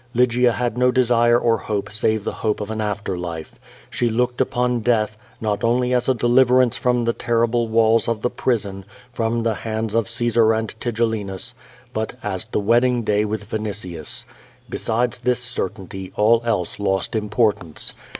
Lygia had no desire or hope save the hope of an after life. She looked upon death, not only as a deliverance from the terrible walls of the prison, from the hands of Caesar and Tigellinus, but as the wedding day with Vinitius. Besides this certainty, all else lost importance.